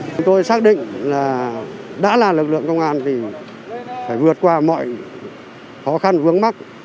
chúng tôi xác định là đã là lực lượng công an thì phải vượt qua mọi khó khăn vướng mắt